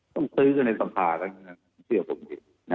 ต้องซื้อกันในสัมภาษณ์และเงินเชื่อผมดี